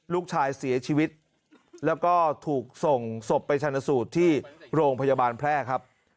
ลูกชายเสียชีวิตแล้วก็ถูกส่งศพไปชนะสูตรที่โรงพยาบาลแพร่ครับ